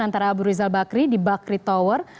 antara abu rizal bakri di bakri tower